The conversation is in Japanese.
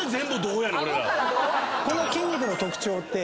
この筋肉の特徴って。